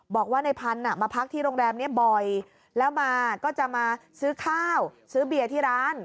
บอกว่าในพันธุ์มาพักที่โรงแรมนี้บ่อยแล้วมาก็จะมาซื้อข้าวซื้อเบียร์ที่ร้าน